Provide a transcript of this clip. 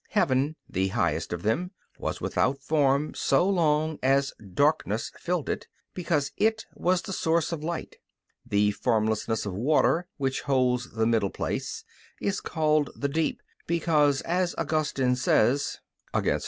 Heaven, the highest of them, was without form so long as "darkness" filled it, because it was the source of light. The formlessness of water, which holds the middle place, is called the "deep," because, as Augustine says (Contr.